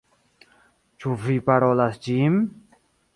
Ĉu vi parolas ĝin?